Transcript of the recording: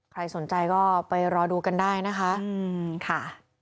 ใครสนใจก็ไปรอดูกันได้นะคะค่ะ